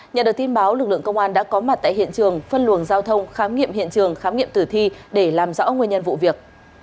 nhận được tin báo lực lượng công an đã có mặt tại hiện trường phân luồng giao thông khám nghiệm hiện trường khám nghiệm tử thi để làm rõ nguyên nhân vụ việc